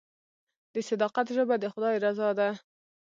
د صداقت ژبه د خدای رضا ده.